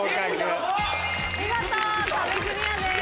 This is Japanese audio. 見事壁クリアです。